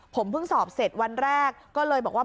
ผมเพิ่งสอบเสร็จวันแรกก็เลยบอกว่า